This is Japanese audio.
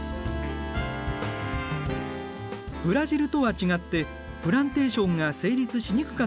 ブラジルとは違ってプランテーションが成立しにくかっ